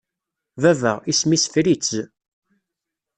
Baba, isem-is Fritz.